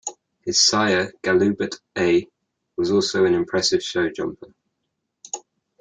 His sire, Galoubet A, was also an impressive show jumper.